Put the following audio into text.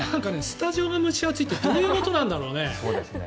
スタジオが蒸し暑いってどういうことなんだろうね。